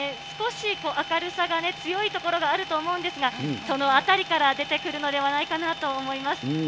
少し明るさが強い所があると思うんですが、その辺りから出てくるのではないかなと思います。